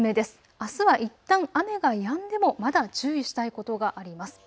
あすはいったん雨がやんでもまだ注意したいことがあります。